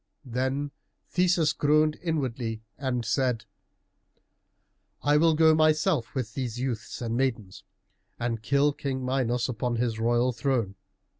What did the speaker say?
Then Theseus groaned inwardly and said, "I will go myself with these youths and maidens, and kill King Minos upon his royal throne."